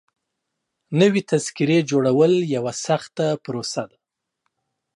نوي تذکيري جوړول يوه سخته پروسه ده.